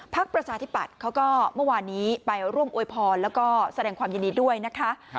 ประชาธิปัตย์เขาก็เมื่อวานนี้ไปร่วมอวยพรแล้วก็แสดงความยินดีด้วยนะคะ